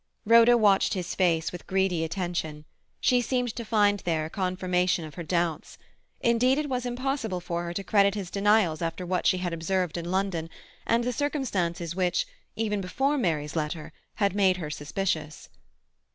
Rhoda watched his face with greedy attention. She seemed to find there a confirmation of her doubts. Indeed, it was impossible for her to credit his denials after what she had observed in London, and the circumstances which, even before Mary's letter, had made her suspicious.